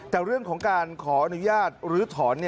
แต่เรื่องของการขออนุญาตลื้อถอน